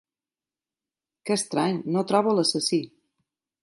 Que estrany, no trobo l'assassí!